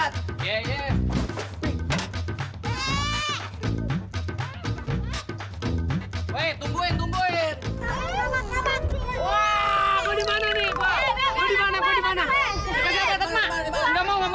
tinggi tinggi jatah ring